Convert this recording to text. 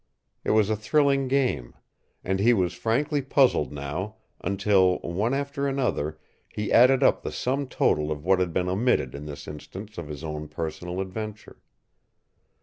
It was a thrilling game. And he was frankly puzzled now, until one after another he added up the sum total of what had been omitted in this instance of his own personal adventure.